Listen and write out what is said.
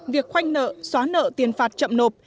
việc khoanh nợ xóa nợ tiền phạt chậm nộp